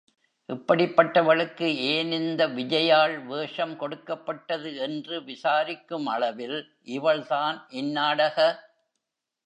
இப்படிப்பட்டவளுக்கு ஏன் இந்த விஜயாள் வேஷம் கொடுக்கப்பட்டது என்று விசாரிக்குமளவில் இவள்தான் இந்நாடக.